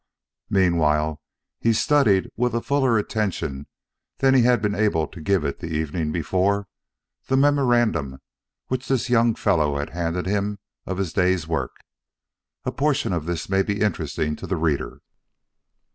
Meanwhile he studied, with a fuller attention than he had been able to give it the evening before, the memorandum which this young fellow had handed him of his day's work. A portion of this may be interesting to the reader.